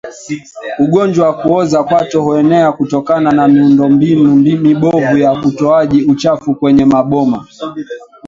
Ugonjwa wa kuoza kwato huenea kutokana na miundombinu mibovu ya utoaji uchafu kwenye maboma